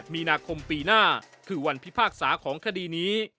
มีนาคมปีหน้าคือวันพิพากษาของคดีนี้